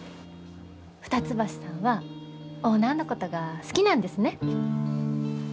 二ツ橋さんはオーナーのことが好きなんですね？